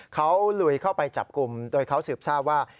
เขาลุยเข้าไปจับกลุ่มโดยเขาสืบทราบว่า